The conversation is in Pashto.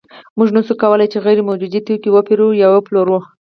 موږ نشو کولی چې غیر موجود توکی وپېرو یا وپلورو